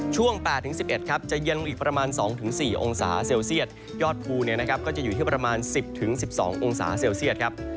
ช่วง๘๑๑ครับจะเย็นลงอีกประมาณ๒๔องศาเซลเซียตยอดภูก็จะอยู่ที่ประมาณ๑๐๑๒องศาเซลเซียตครับ